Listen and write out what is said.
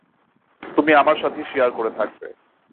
তুমি আমার সাথেই শেয়ার করে থাকবে।